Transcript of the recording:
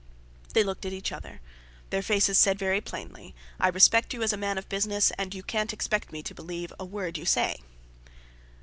They looked at each other. Their faces said very plainly: "I respect you as a man of business; and you can't expect me to believe a word you say."